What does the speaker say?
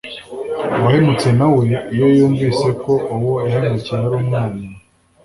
uwahemutse na we iyo yumvise ko uwo yahemukiye ari umwana